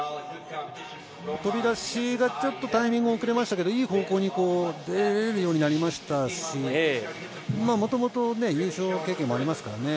飛び出しがちょっとタイミング遅れましたが、いい方向に出れるようになりましたしもともと優勝経験もありますから。